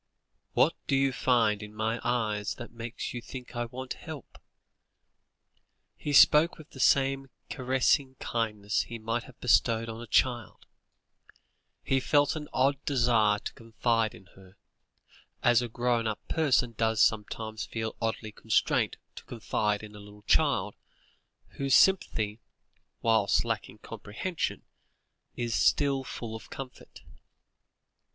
"What do you find in my eyes that makes you think I want help?" He spoke with the same caressing kindliness he might have bestowed on a child; he felt an odd desire to confide in her, as a grown up person does sometimes feel oddly constrained to confide in a little child, whose sympathy, whilst lacking comprehension, is still full of comfort.